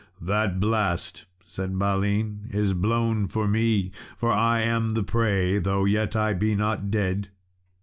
"That blast," said Balin, "is blown for me, for I am the prey; though yet I be not dead."